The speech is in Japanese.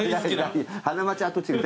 花街跡地が。